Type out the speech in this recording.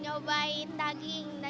nyobain daging daging rendah